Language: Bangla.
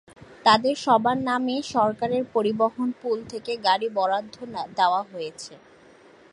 তাঁদের সবার নামেই সরকারের পরিবহন পুল থেকে গাড়ি বরাদ্দ দেওয়া হয়েছে।